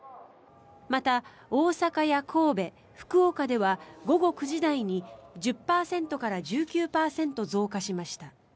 また、大阪や神戸、福岡では午後９時台に１０％から１９％増加しました。